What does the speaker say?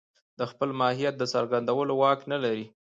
د خپل ماهيت د څرګندولو واک نه لري.